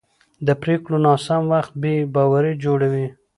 د پرېکړو ناسم وخت بې باوري جوړوي